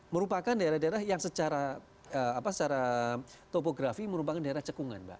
merupakan daerah daerah yang secara topografi merupakan daerah cekungan mbak